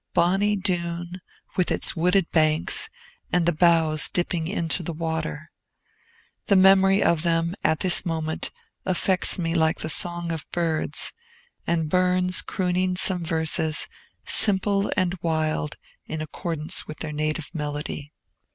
Bonny Doon, with its wooded banks, and the boughs dipping into the water! The memory of them, at this moment, affects me like the song of birds, and Burns crooning some verses, simple and wild, in accordance with their native melody.